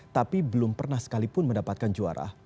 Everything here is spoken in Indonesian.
tapi belum pernah sekalipun mendapatkan juara